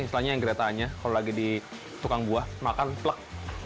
misalnya yang keretanya kalau lagi di tukang buah makan plek